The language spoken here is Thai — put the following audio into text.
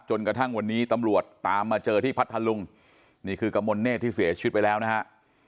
จนกระทั่งวันนี้ตำรวจตามมาเจอที่พัทธลุงนี่คือกระมวลเนธที่เสียชีวิตไปแล้วนะฮะ